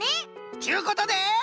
っちゅうことで。